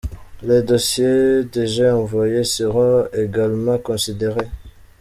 Les dossiers déjà envoyés seront également considérés.